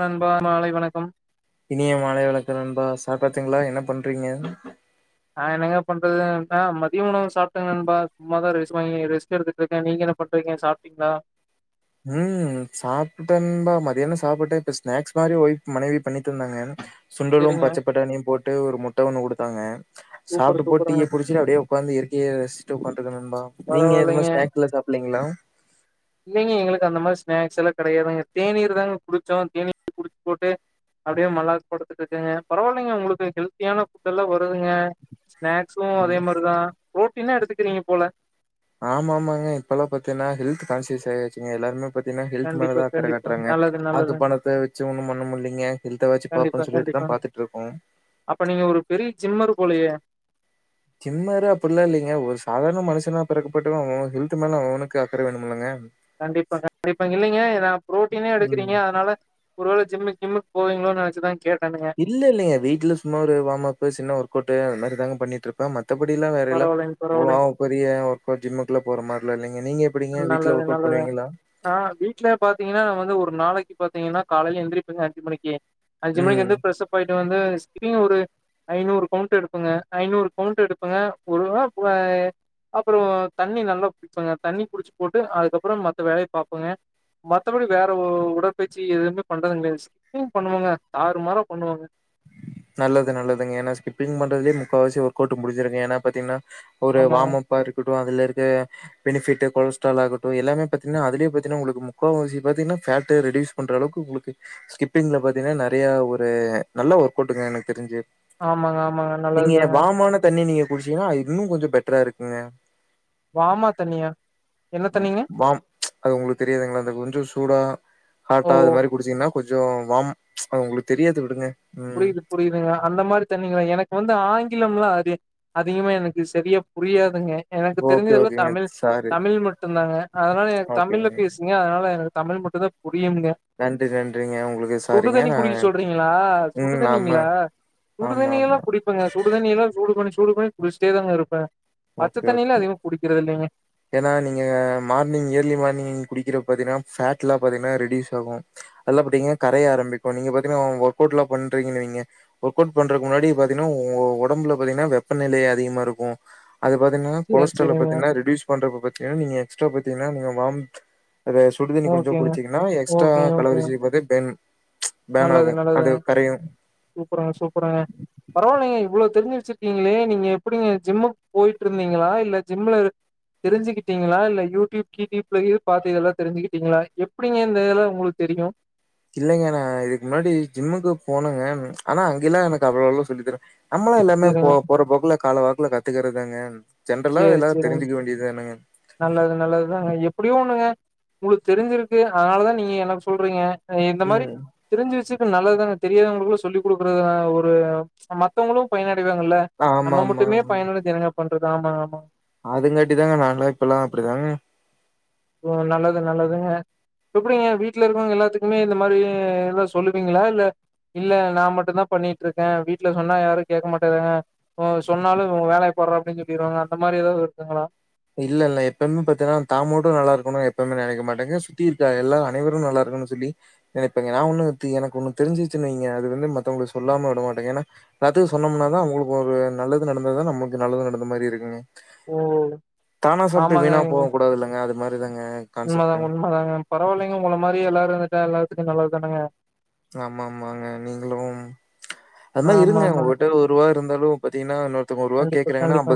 நண்பா மாலை வணக்கம் இனிய மாலை வணக்கம் நண்பா சாப் பாங்களா என்ன பண்றீங்க நான் என்னங்கன பண்றதுன்னா மதியம் உணவு சாப்பிட்டேங்கன்பா சும்மமாதான் வாங்க ரெஸ் எடுத்துட்டு இருக்கேன் நீங்க என்ன பண்றக்கீங்க சாப்பிட்டீங்களா உம் சாப்பிட்டேன்பா மத்தியானம் சாப்பிட்டேன் இப்ப ஸ்நாக்ஸ் மாதிரி ஓய் மனைவி பண்ணி தந்தாங்க சுண்டலும் சரிங்க பச்சை பட்டாணியும் போட்டு ட்டு ஒரு முட்டை ஒன்னு கொடுத்தாங்க சூப்பர் சாப்பிட்டு போட்டு சூப்பருங்க டீய புடிச்சிட்டு அப்படியே உடா இற்கையை ரசிச்ட்டு இருக்கபா நீங்க மாதிர பரவால்லைங்க நாக்ஸ் எல்லாம் சாப்பலீங்களா இல்லைங்க எங்களுக்கு அந்த மாதிரி ஸ்நாக்ஸ் எல்லாம் கிடையாதுங்க தேனீர் தாங்க குடிச்சோ தேனீ குடிச்சு போட்டு அப்படியே மல்லாக்க படுத்துட்டு இருக்காங்க பரவாயில்லைங்க உங்களுக்கு ஹெல்த்தியான ஃபுட் எல்லாம் வருதுங்க ஸ்நாக்ஸும் அதே ஆமா மாதிரிதான் என்ன எடுத்துக்கிறீங்க போல ஆமா ஆமாங்க இப்பெல்லாம் பாத்தீங்கன்னா ஹெல்த் கான்ஷியஸ் ஆயாச்சுங்க எல்லாருமே பாத்திங்கன்னா ஹெல்த் மேல கண்டிப்பா தான் அக்கறை கண்டிப்பா காட்டுறாங்க நல்லது ஆக்கு நல்லதுங்க பணத்தை வச்சு ஒன்னும் பண்ணமுடியலங்க ஹெல்த் வச்சு கண்டிப்பா பாப்போம்னு சொல்லிட்டுதான் கண்டிப்பாங்க பாத்துட்டு இருக்கோம் போலியே ஜிம்மரு அப்படில்லாம் இல்லைங்க ஒரு சாதாரண மனுஷனா பிறக்கப்பட்டட்டு அவன் ஹெல்த் மேல அவனுக்கு அக்கறை வேணும்லங்க கண்டிப்பா கண்டிப்பாங்க இல்லலைங்க ந பு்ரோட்டீனே எடுக்கறீங்க ம். அதனால ஒருவேளை ஜிம்மு ஜிம்முக்கு போவங்கிளோன்னு நினச்சுதான் இல்ல இல்லங்க வீட்ல சும்மா ஒரு வாம்மப் சின்ன ஒர்கட் அந்த மாரிதாங்க பண்ணிட்டு இருப்பன் மத் மற்றத்தபடில்லாம் வேற பரவாயில்லைங்க, பரவாயில்லைங்க. எல்லாம் பெரிய ஒர்க் அவுட் ஜிம்முக்குல போற மாட்டேன் [unintelligible] நல்லது நல்லது ஆஹ் வீட்லய பார்த்தீங்கன்னா நம்ம வந்து ஒரு நாளைக்கு பாத்தீங்கன்னா காலையில எழுந்திரப்பங்க அஞ்சு மணிக்கு அஞ்சு மணி ம். வந்து பிரஸ்ஸப் ஆகிட்டு வந்து ஸ் ஒரு ஐநூறு கவுண்ட் எடுபங்க ஐநூறு கவுண்ட எடுபங்க ஒரு அப்புறோ தண்ணி நல்லா குடிப்பங்க தண்ணி குடிச்சு போட்டு அதுக்கப்புறோ மத்த வேலைய ப பாப்போங்க மத்தபடி வேற உடற்பயிற்சி எதுவுமே பண்றது இல்லங்க ஸ்கிப்பிங் பண்ணுவங்க தாறு மாரா பண்ணுவங்க நல்லது நல்லதுங்க ஏனா ஸ்கிப்பங் பண்றதுலயே முக்காவாசி ஒர்க்அவுட் முடிஞ்சிருங்க ஏன்னா பாத்தீங்கன்னா ஒரு ஆமாங்க. வாமப்பா இருக்கட் ப்ரோ அதுல இருக்க பெனிபிட் கொலஸ்ட்ரால் ஆகட்டு எல்லாமே பாத்தீங்கன்னா அதுலயே போய்டனா உங்களுக்கு முக்கால்வாசி பாத்திங்கன்னா ஃபேட்டே ரெடியூஸ் பன்ற அளவுக்கு உங்களுக்கு ஸ்கிப்பிங்ல பாத்திங்கன்னா நெறையா ஒரு நல்ல ஒரு ஒர்க் அவுட்ங்க எனக்கு தெரிஞ்சு ஆமாங்க ஆமாங்க நீங்க நல்லதுதாங்க வாமான தண்ணி நீங்க குடிச்சீங்கன்னா அது இன்னு கொஞ்சோ பெட்டரா இருக்குங்க வாமா தண்ணியா என்ன ம், தண்ணிங்க வாம் அது உங்களுக்கு தெரியாதுங்களா அந்த கொஞ்சோ சூடா ஓ ஹாட்டா அது மாரி குடிச்சீங்கன்னா கொஞ்சோ வாம் அது உங்களுக்கு தெரியாது விடுங்க ம் புரியுது புரியுதுங்க அந்த மாரி தண்ணிங்களா எனக்கு வந்து ஆங்கிலம்லாம் அ அதிகமா எனக்கு சரியா புரியாதுங்க எனக்கு ஓகே தெரிஞ்சதுல ஓகேங்க தமிழ் சாரி தமிழ் மட்டு தாங்க அதனால எனக்கு தமிழ்ல ஓகேங்க பேசுங்க அதனால எனக்கு தமிழ் மட்டு தா புரியும்ங்க நன்றி நன்றிங்க உங்களுக்கு சுடு சாரிங்க தண்ணி நா குடிக்க சொல்றீங்களா ம் ஆமா சுடுதண்ணிங்களா ஆமா சுடுதண்ணிய எல்லா ஆமா குடிப்பங்க சுடுதண்ணி எல்லா சூடுபண்ணி சூடு பண்ணி குடிச்சிட்டே தா இருப்பே பச்ச ஓகே தண்ணிலா ஓகே அதிகமா குடிக்கிறது இல்லைங்க ஏன்னா நீங்க மார்னிங் ஏர்லி மார்னிங் நீ குடிக்கிற பாத்தீங்கன்னா ஃபேட்லா பாத்தீங்கன்னா ரெடியூஸ் ஆகும் அதெல்லா பாத்தீங்கன்னா கரைய ஆரம்பிக்கு நீங்க பாத்தீங்கன்னா ஒர்க் அவுட்ல்லா பண்றீங்கன்னா வெய்ங்க ஒர்க் அவுட் பண்றக்கு முன்னாடி பாத்தீங்கன்னா உங்க ஒடம்புல பாத்தீங்கன்னா வெப்பநிலை அதிகமா இருக்கு அது பாத்தீங்கன்னா சேரி கொலஸ்ட்ரால சேரிங்க பாத்திங்கன்னா ரெடியூஸ் பண்றதுக்கு பாத்திங்கன்னா நீங்க எக்ஸ்ட்ரா பாத்திங்கன்னா நீங்க வாம் அத சுடுது தண்ணி கொஞ்சோ ஓகேங்க குடிச்சிங்கன்னா எக்ஸ்ட்ரா ஓகே ஓகேங்க கலோரிஸ் வந்து பன் நல்லது நல்லதுங்க சூப்பருங்க சூப்பருங்க பரவாயில்லிங்க இவ்ளோ தெரிஞ்சு வெச்சிருக்கீங்களே நீங்க எப்பிடிங்க ஜிம்முக்கு போயிட்டு இருந்தீங்களா இல்ல ஜிம்ல தெரிஞ்சுக்கிட்டீங்களா இல்ல யூடியூப் க்யூட்யூப்ல பாத்து இதெல்லா தெரிஞ்சுக்கிட்டீங்களா எப்பிடிங்க இந்த இதெல்லா உங்களுக்கு தெரியு இல்லங்க நா இதுக்கு முன்னாடி ஜிம்முக்கு போனேங்க ஆனா அங்கெல்லாம் எனக்கு அவ்வளோல்லா சொல்லி தறேல நம்மளே எல்லாமே செரிங்க போற போக்குல காலவாக் ல கத்துக்குறதாங்க ஜென்றரலா சேரி எல்லாரும் செரிங்க தெரிஞ்சக்க வேண்டியது தானங்க நல்லது நல்லதுதாங்க எப்பிடியோ ஒண்ணுங்க உங்களுக்கு தெரிஞ்சிருக்கு அதனாலதா நீங்க எனக்கு சொல்றீங்க இந்த மாரி ம். தெரிஞ்சு வெச்சு நல்லது தானங்க தெரியாதவங்களுக்கு சொல்லிக் குடுக்கறது ஒரு மத்தவங்களு பயன்அடை செய்வாங்கல நம்ம ஆமாமா. மட்டுமே பயனடைஞ்சு என்னங்க பண்றது ஆமா ஆமா அதுங்காட்டி தாங்க நானெல்லா இப்பெல்லா அப்படிதாங்க ஓ நல்லது நல்லதுங்க எப்படிங்க வீட்டுல இருக்கவங்க எல்லாத்துக்குமே இந்த மாரி எல்லா சொல்லுவீங்களா இல்ல இல்ல நா மட்டும் தா பண்ணிட்டுருக்கே வீட்ல சொன்னா யாரு கேட்க மாட்டே தாங்க உ சொன்னாலு உன் வேலய பார்ரா அப்படின்னு சொல்லிருவாங்க அந்த மாரி ஏதாவது இருக்குங்களா இல்ல இல்ல எப்பவுமே பாத்தீன்னா தா மட்டு நல்லா இருக்கணுன்னு எப்பவுமே நெனைக்க மாட்டேங்க சுத்தி இருக்க எல்லா அனைவரு நல்லா இருக்கணுன்னு சொல்லி நெனைப்பாங்க நா ஒன்னு எனக்கு ஒன்னு தெரிஞ்சுச்சு வைங்க அது வந்து மத்தவங்களுக்கு சொல்லாம விடமாட்டேங்க ஏன்னா எல்லாத்துக்கு சொன்னோமுனா தா அவங்களுக்கு ஒரு நல்லது நடந்ததுதா நமக்கு நல்லது நடந்த மாரி இருக்குங்க ஓ தானா சாப்ட்டு ஆமாங்க வீணா போக கூடாதுல்லங்க அது மாரி தாங்க கான்செப்ட்டு. உண்மதாங்க உண்மதாங்க பரவாயில்லைங்க உங்கள மாரியே எல்லாரு இருந் துட்டா எல்லாத்துக்கு நல்லது தானங்க ஆமா ஆமாங்க நீங்களும் அது மாரி ஆமா இருங்க ஆமா உங்ககிட்ட ஒருவா இருந்தாலு பாத்தீங்கன்னா இன் கண்டிப்பா கண்டிப்பா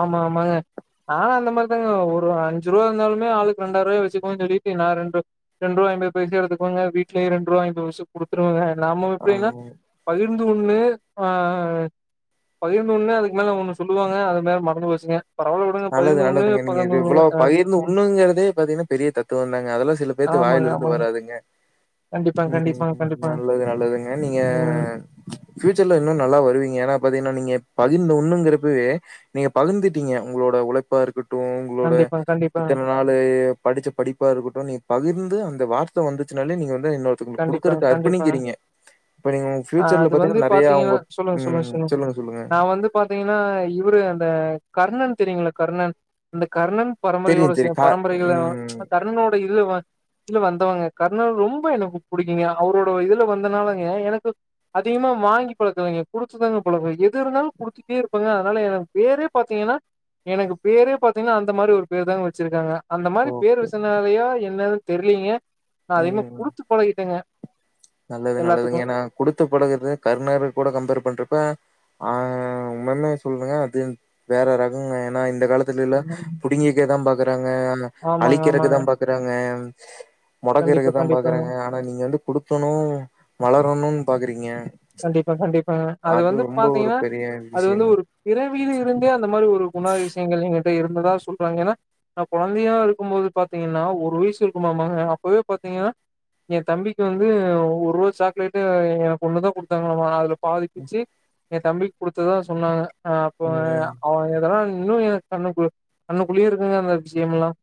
ஆமா ஆமாங்க நானு அந்த மாரி ங்க ஒரு அஞ்ச ரூவா இருந்தாலுமே ஆளுக்கு ரெண்டாரூவாயா வச்சக்குவோ [unintelligible] நா ரெண்டு ரெண்டு ரூவா ஐம்பது பைசா எடுத்துக்குவங்க வீட்லியு ரெண்டு ரூவா ஐம்பது பைசா குடுத்துருவங்க நாம அம் எப்படின்னா பகிர்ந்து உண்ணு ஆ ஆ ஆ பகிர்ந்து உண்ணு அதுக்கு மேல ஒன்னு சொல்லுவாங்க அது மேல மறந்து போச்சுங்க பரவால்ல விடுங்க நல்லது பதினொன்னு நல்லதுங்க நீங்க இது பகிர்ந்தொன்னு இவ்வளவு ஆ பகிர்ந்து உண்ணுங்கிறதே பாத்தீங்கன்னா பெரிய தத்துவந்தாங்க அதெல்லா சில பேர்த்துக்கு ஆமாங்க வாயிலருந்து ஆமாங்க வராதுங்க கண்டிப்பாங்க கண்டிப்பாங்க உம் கண்டிப்பாங்க நல்லது நல்லதுங்க நீங்க ம் ஃபியூச்சர்ல இன்னு நல்லா வருவீங்க ஏன்னா பாத்தீங்கன்னா நீங்க பகிர்ந்து உண்ணுங்கிறப்பவே நீங்க பகிர்ந்துட்டீங்க உங்களோட உழைப்பா இருக்கட் ட்டும் உங்களோட கண்டிப்பாங்க கண்டிப்பாங்க இத்தன நாளு படிச்ச படிப்பா இருக்குட்டு நீ பகிர்ந்து அந்த வார்த்த வந்துச்சனாலே நீங்க வந் கண்டிப்பாங்க கண்டிப்பாங்க இப்ப நீங்க உங்க ஆ ஃப்யூச்சர்ல அது வந்து நெறையா பாத்தீங்கன்னா உங்க சொல்லுங்க சொல்லுங்க ம். சொல்லுங்க நா வந்து பாத்தீங்கன்னா இவரு அந்த கர்ணன் தெரியுங்களா கருணன் அந் கர்ணன் பரம்பரையோட தெரியும், சில தெரியும். கா பரம்பரைகள் ம். கர்ணன்னோட [unintelligible] வந்தவாங்க கர்ணன் ரொம்ப எனக்கு புடிக்குங்க அவரோட இதுல வந்தனாலங்க எனக்கு அதிகமா வாங்கி பழக்கலைங்க குடுத்துதாங்க பழக்க எது இருந்தாலு குடுத்துட்டே இருப்பங்க அதனால எனக்கு பேரே பாத்தீங்கன்னா எனக்கு பேரே பாத்தீங்கன்னா அந்த மாரி ஒரு பேரு தாங்க வச்சிருக்காங்க அந்த மாரி பேர் ஓகே. வச்சனாலையா என் என்னது தெரியலீங்க நா ம், அதிகமா ம், ம். குடுத்து தங்கே நல்லது நல்லதுங்க ஏன்னா குடுத்து பழகறது கருணருக்கூட கம்பேர் பண்றப்ப ஆ உண்மனே சொல்றங்க அது வேற ரகங்க ஏன்னா இந்த காலத்து த்துல புடுங்கிக்க தா பாக் ஆ ஆமாங்க அழிக்கிறதுக்கு தா ஆமாங்க பாக்குறாங்க கண்டிப்பா மொடக்குறதுக்கு தா கண்டிப்பாங்க பாக்குறாங்க ஆனா நீங்க வந்து குடு க்கனு வளரணுனு பாக்குறீங்க கண்டிப்பா கண்டிப் பாங்க அது வந்து ரொம்ப ஒரு பாத்தீங்கன்னா, பெரிய அதுவந்து விஷயங்க ஒரு பிறவில இருந்தே அந்த மாரி ஒரு குணா திஷயங்கள் எங்கிட்ட இருக் என்னடா சொல்றாங்க ஏன்னா நா கொழந்தையா இருக்கும்போது பாதிங்கன்னா ஒரு வயசு இருக்கு மாமாங்கா அப்போவே பாதிங்கன்னா என் தம்பிக்கு வந்து ஒரு ருவா சாக்லேட்டு எனக்கு ஒண்ணு தான் குடு தாங்களாமா அதுல பாதிப்பிச்சு என் தம்பிக்கு குடுத்ததா சொன்னாங்க ஆஹ் அப்போ எ ம் அவன் எதெல்லாம் இன்னும் எனக்கு கண்ணுக்குள்ள கண்ணுக்குள்ளயே இருக்குங்க அந்த விஷயம் எல்லாம்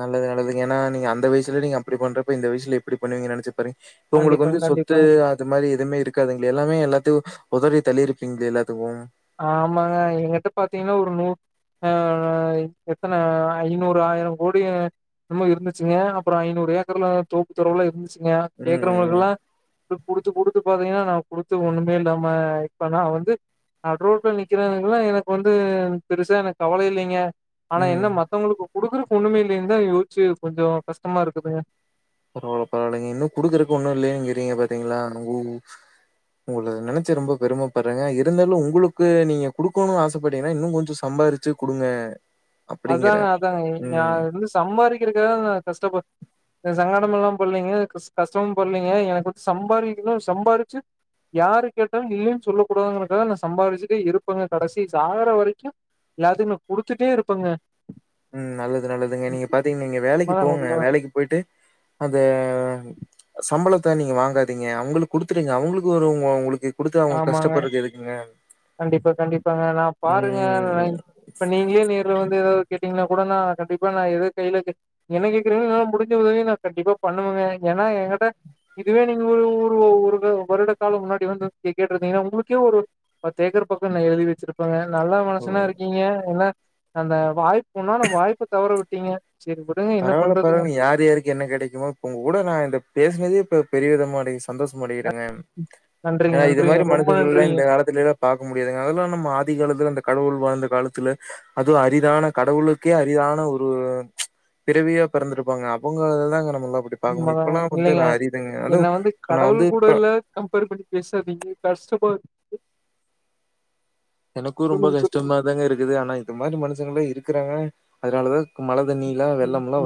நல்லது, நல்லதுங்க ஏன்னா நீங்க அந்த வயசுலயே நீங்க அப்டி பண்றப்ப இந்த வயசுல எப்படி பண்ணுவீங்க நெனச்சு பாருங்க இப்ப உங்களுக்கு கண்டிப்பா, வந்து சொத்து கண்டிப்பா. அது மாறி எதுமே இருக்காதுங்ளே எல்லாமே எல்லாத்தையும் உதறி தள்ளிருப்பீங்ளே எல்லாத்துக்கும் ஆமாங்க எங்க்கிட்ட பாத்தீங்கன்னா ஒரு நூ ஆஹ் எத்தன ஐநூறு ஆயரோ கோடி என்னமோ இருந்துச்சுங்க அப்புறம் ஐநூறு ஏக்கர்ல தோப்பு தொரவுலாம் இருந்து சுங்க ம் ம் கேக்குறவங்களுக்கல்லா குடுத்து குடுத்து பாத்தீங்ன்னா நா குடுத்து ஒண்ணுமே இல்லாம இப்ப நா வந்து நடு ரோட்ல நிக்கிறேனுங்கல்லா எனக்கு வந்து பெருசா எனக்கு கவலை இல்லைங்க ஆனா ம் என்ன ம் மத்தவுங்களுக்கு குடுக்குறக்கு ஒண்ணுமே இல்லனு தான் யோசிச்சு கொஞ்சோ கஷ்டமா இருக்குதுங்க பரவால்ல பரவால்லைங்க இன்னும் குடுக்குறக்கு ஒன்னும் இல்லையேங்கிறீங்க பாத்தீங்களா உங்க உங்கல நெனைச்சு ரொம்ப பெருமைப்பட்றேங்க இருந்தாலும் உங்களுக்கு நீங்க குடுக்கணுனு ஆசைப்பட்டீங்கன்னா இன்னும் கொஞ்சம் சம்பாறுச்சு குடுங்க அதாங்க அப்படிங்கிறேன். அதாங்க ம் நான் வந்து சம்பாதிக்கிறதுக்காக் நா கஷ்டப்படு நா சங்கடம் எல்லாம் பட்லீங்க கஷ்டமும் பட்லீங்க எனக்கு வந்து சம்பார்க்கனு சம்பாரிச்சு யாரு கேட்டாலும் இல்லன்னனு சொல்ல கூடாதுங்கறதுக்காக நா சம்பாரிசிட்டு இருப்பங்க கடைசி சாகுற வரைக்கும் எல்லாத்துக்கு நா குடுத்துட்டே இருப் பங்க உம் நல்லது நல்லதுங்க, நீங்க பாத்தீங்கன் வைங்க வேலைக்கு உண்மைதான், போங்க உண்மைதான். வேலைக்கு போய்ட்டு அந்த சம்பளத்த நீங்க வாங்காதீங்க, அவுங்களுக்கு குடுத்துடுங்க அவுங்களுக்கு ஒரு உ உங்களுக்கு குடுத்து அவுங்க ஆமாங்க கஷ்டப்பட்றது எதுக்குங்க கண்டிப்பா கண்டிப்பாங்க நான் பாருங்க நா ம் இப்ப நீங்களே நேர்ல வந் ஏதாது கேட்டீங்கன்னா கூட நான் கண்டிப்பா நா எதோ கையில கே என்ன கேக்குறீங்களோ என்னால முடுஞ்ச உதவிய நான் கண்டிப்பா பண்ணுவேங்க. ஏன்னா என்கிட்ட இதுவே நீங்க ஒரு ஒரு ஒரு வருட காலம் முன்னாடி வந்து கேட்டு இருந்தீங்கன்னா உங்களுக்கே ஒரு பத்தேக்கர் பக்கோ நான் எழுதி வச்சிருப்பேங்க நல்லா ஓ மனுசனா இருக்கீங்க என்னா அந்த வாய்ப் இன்னோன்னு வாய்ப்பு தவற விட் டீங்க பரவால்ல பரவால்லங்க யார் யாருக்கு என்ன கெடைக்குமோ இப்ப உங்க கூட நான் இந்த பேசுனதே இப்ப பெரியவிதமா அடை சந்தோஷமடை ட்ருங்கம் நன்றிங்க, ஏனா இது நன்றிங்க. மாரி ரொம்ப மனுசங்கள எல்லா நன்றிங்க. இந்த காலத்தில எல்லா பாக்க முடியாதுங்க அதுல்லா நம்ம ஆதி காலத்தில அந்த கடவுள் வாழ்ந்த காலத்துல அதுவு அரிதான கடவுளுக்கே அரிதான ஒரு பிறவியா பிறந்திருப்பாங்க அவுங்களத தாங்க ந உண்மதாங்க இல்லீங்க அதுவு என்ன வந்து இப்ப நா கடவுள் வந்து கூட இப்ப எல்ல கம்பேர் பண்ணி பேசாதீங்க கஷ்டமா இருக்கு [unintelligible] எனக்கு ரொம்ப சொல்லுங்க, சொல்லுங்க. கஷ்டமா தாங்க இருக்குது ஆனா இது மாதிரி மனுஷங்கள்ல இரு க்குறாங்க அதுனாலதா [inaudible]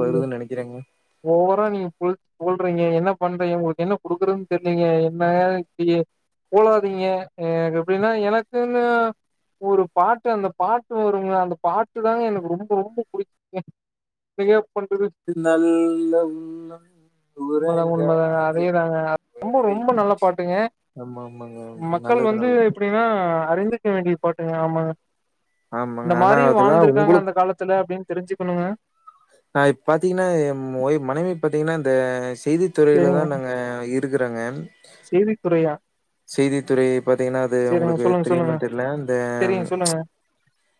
ஓவரா நீங்க புழ் புகழ்றீங்க என்ன பண்றீங்க உங்குளுக்கு என்ன குடுக்கறதுன் தெர்லீங்க என்னங்க இப்டி புகழாதீங்க எனக் எப்டின்னா எனக்கு ஞா ஒரு பாட்டு அந்த பாட்டு வருங்க அந்த பாட்டு தாங்க எனக்கு ரொம்ப ரொம்ப புடிக் [inaudible] பிகப் தில் நல்ல உள்ளம் உண்மதாங்க உண்மதாங்க அதேதாங்க ரொம்ப உறங்காதென்பதை ரொம்ப நல்ல பாட்டுங்க ஆமா ஆமாங்க நல்லது நல் அறிந்திக்க வேண்டிய பாட்டுங்க ஆமாங்க ஆமாங்க இந்த ஆனா மாரியு அதெல்லா வாழ்ந்திருக்காங்க அந்த காலத்துல அப்டின் தெரிஞ்சுக்கணுங்க அ இப் பாத்தீங்கனா எம் ஒய் மனைவி பாத்தீங்கனா இந்த ஸ் செய்தி துறையில தா செரிங்க நாங்க இருக்கறங்க செய்தித்துறையா செய்தித்துறையை பாத்தீங்கன்னா அது செரிங்க உங்குளுக்கு சொல்லுங்க சொல்லுங்க தெரிமான் தெர்ல இந்த தெரியுங்க சொல்லுங்க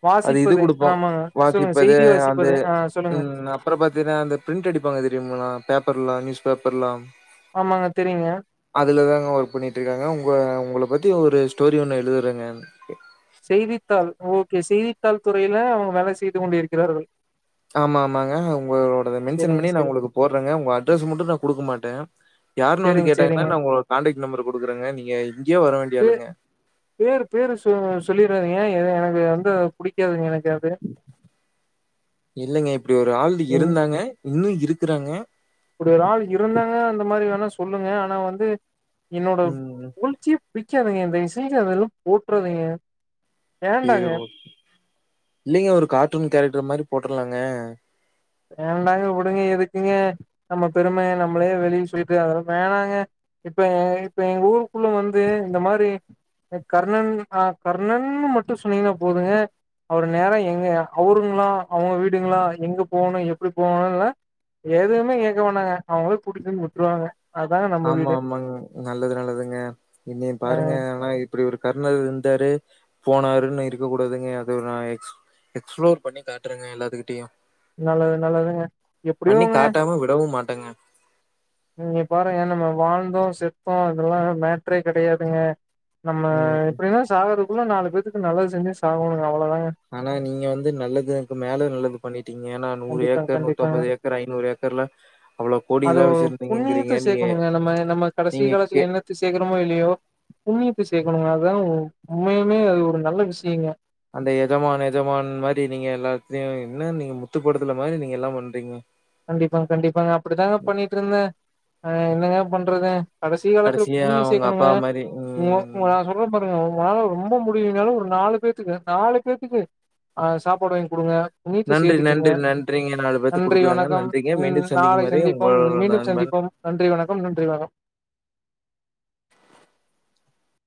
ப்ச் அது இது வாசிப்பது குடுப்போ ஆமாங்க சொல்லுங்க வாசிப்பது செய்தி அது வாசிப்பது ஆ சொல்லுங்க உம் அப்புற பாத்தீனா அந்த பிரிண்ட் அடிப்பாங்க தெரிமுலா பேப்பர்ல்லா நியூஸ் பேப்பர்லாம் ஆமாங்க தெரியுங்க. அதுலதாங்க ஒர்க் பண்ணிட்டு இருக்காங்க உங்க உங்கள பத்தி ஒரு ஸ்டோரி ஒன்னு எழுதுறங்க செய்தித்தாள் ஓகே செய்தித்தாள் துறையில அவுங் வேலை செய்து கொண்டிருக்கிறார்கள் ஆமா ஆமாங்க உங்களோடத மென்ஷன் சரிங்க, பண்ணி நா சரிங்க. உங்குளுக்கு போட்றங்க உங்க அட்ரஸ் மட்டு நா குடுக்க மாட்டே யாருனு வந்து சரிங்க, கேட்டாங்கன்னா சரிங்க. நா உங்களோ கான்டக்ட் நெம்பரு குடுக்குறங்க நீங்க இங்கியே வர வேண்டிய பே ஆளுங்க பேரு இது வந்து புடிக்காதுங்க என இல்லைங்க இப்டி ஒரு ஆள் இருந்தாங்க இன்னு இ ருக்கறாங்க இப்டி ஒரு ஆள் இருந்தாங்க அந்த மாரி வேணா ஸ் சொல்லுங்க ஆனா வந்து என்னோட ம். புகழ்ச்சியே பிக்காதிங்க தயவு செஞ்சி அதெல்லா போட்றாதிங்க செரி ஓகே இல்லைங்க ஒரு கார்ட்டூன் கேரக்டர் மாரி போட்டுருலாங்க வேண்டாங்க விடுங்க எதுக்குங்க நம்ம பெரும நம்மளே வெளி சொல்ட்டு அதெல்லா‌ வேணாங்க இப்ப இப்ப எங்க ஊருக்குள்ள வந்து இந்த மாரி கர்ணன் அஹ் கர்ணன் மட்டு சொன்னீங்கன்னா போதுங்க அவரு நேரா எங்க அவருங்களா அவுங்க வீடுங்களா எங்கப் போகணு எப்டி போகணுல்லா எதுவுமே கேக்க வேணாங்க அவங்களே கூட்டிடு வந்து உட்ருவாங்க ஆமா ஆமாங் நல்லது நல்லதுங்க இன்னி ஆ பாருங்க ஆனா இப்படி ஒரு கர்ணர் இருந்தாரு போனாருன்னு இருக்க கூடாதுங்க அது நா எக்ஸ் எக்ஸ்பிளோர் பண்ணி காட்டுறங்க எல்லாத்துக்கிட்டயு நல்லது நல்லதுங்க எப்படியூங்க காட்டாம விடவும் மாட்டேங்க. நீங்க பாருங்க என்னமோ வாழ்ந்தோ செத்தோ அதெல்லா மேட்டரே கெடையாதுங்க நம்ம ம் எப்டினா சாகற குள்ள நாலு பேத்துக்கு நல்லது செஞ்ச சாகோணுங் ஆனா நீங்க வந்து நல்லது எனக்கு மேல நல்லத் து பண்ணிட் கண்டிப்பா கண்டிப்பாங்க ஏக்கர்ல அவ்ளோ அது கோடிலாம் வச்சிருந்தீங்கங்கிறீங்க. புண்ணியத்த நீங்க சேக்கணுங்க நம்ம நம்ம கடைசி நீங்க கே காலத்துல என்னத்ந சேர்க்கறமோ இல்லையோ புண்ணியத் த சேக்கணுங்க அதாங்க உம்மையால்மே அது ஒரு நல்ல விஷயங்க அந்த எஜமானு எஜமான் மாரி நீங்க எல்லாத்தையு என்ன நீங்க முத்துப்படத்துல மாரி நீங்க எல்லாம் பண்றீங்க கண்டிப்பாங்க கண்டிப்பாங்க அப்படித்தாங்க பண்ணிட்டுருந்த அஹ் என்னங்க பண்றது கடைசி காலத்துல கடைசியா புண்ணியோ அவங்க சேக்கணுங்க அப்பா மாரி உங்க ம். உங்க நா சொல்ற பாருங்க [unintelligible] ரொம்ப முடியலனாலு ஒரு நாலு பேத்துக்கு நாலு பேத்துக்கு ஆஹ் சாப்பாடு வாங்கி குடுங்க புண்ணியத்த நன்றி சேத்துக்குங்க நன்றி நன்றிங்க நாலு பேத்துக்கு நன்றி குடுக்குலாங்க வணக்கம் நன் ம் நாளை சந்திப்போம் மீண்டும் சந்திப்போம் நன்றி வணக்கம் நன்றி வணக்